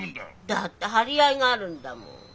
だって張り合いがあるんだもん。